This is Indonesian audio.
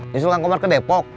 disuruh kang komar ke depok